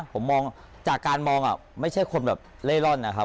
ผมมองจากการมองไม่ใช่คนแบบเล่ร่อนนะครับ